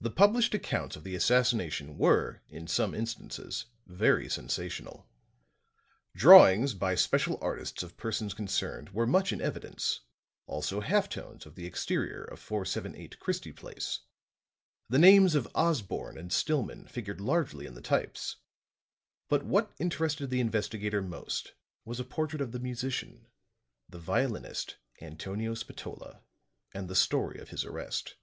The published accounts of the assassination were, in some instances, very sensational. Drawings, by special artists of persons concerned, were much in evidence, also half tones of the exterior of 478 Christie Place. The names of Osborne and Stillman figured largely in the types; but what interested the investigator most was a portrait of the musician the violinist, Antonio Spatola, and the story of his arrest.